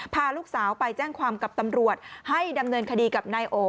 พาลูกสาวไปแจ้งความกับตำรวจให้ดำเนินคดีกับนายโอ